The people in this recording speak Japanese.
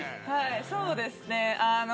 そうですね。